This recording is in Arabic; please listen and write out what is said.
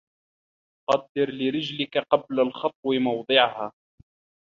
قَدِّرْ لِرِجْلِكَ قبل الخطو موضعها